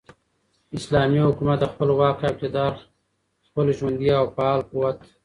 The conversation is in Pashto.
اسلامي حكومت دخپل واك او اقتدار ،خپل ژوندي او فعال قوت ،